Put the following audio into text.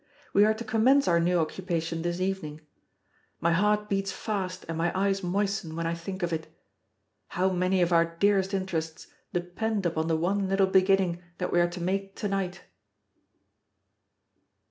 We are to commence our new occupation this evening. My heart beats fast and my eyes moisten when I think of it. How many of our dearest interests depend upon the one little beginning that we are to make to night!